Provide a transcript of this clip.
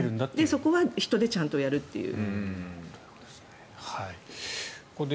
そこは人でちゃんとやるという。